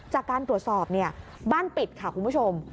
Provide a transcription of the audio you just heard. จากการตรวจสอบเนี่ยบ้านปิดค่ะคุณผู้ชม